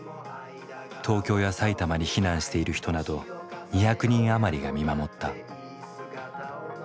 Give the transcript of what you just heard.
東京や埼玉に避難している人など２００人余りが見守った。